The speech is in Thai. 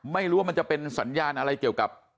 ไม่รู้ว่ามันจะเป็นสัญญาณอะไรเกี่ยวกับ